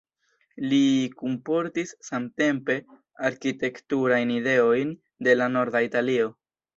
Li kunportis samtempe arkitekturajn ideojn de la norda Italio.